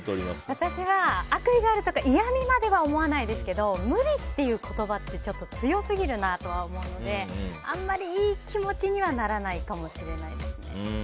私は悪意があるとか嫌みまでは思わないですけど無理っていう言葉って強すぎるなと思うのであんまりいい気持ちにはならないかもしれないですね。